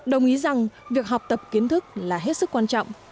đồng ý rằng việc học tập kiến thức là hết sức quan trọng